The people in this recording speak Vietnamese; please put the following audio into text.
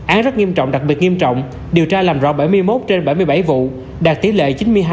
án rất nghiêm trọng đặc biệt nghiêm trọng điều tra làm rõ bảy mươi một trên bảy mươi bảy vụ đạt tỷ lệ chín mươi hai hai mươi một